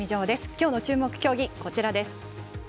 きょうの注目競技はこちらです。